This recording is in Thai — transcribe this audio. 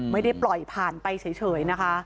ไม่ได้ปล่อยผ่านไปเฉยนะคะ